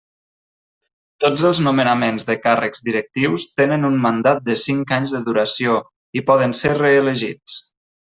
Tots els nomenaments de càrrecs directius tenen un mandat de cinc anys de duració, i poden ser reelegits.